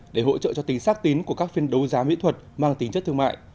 để hỗ trợ cho tính xác tín của các phiên đấu giá mỹ thuật mang tính chất thương mại